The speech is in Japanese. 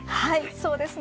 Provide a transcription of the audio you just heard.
そうですね。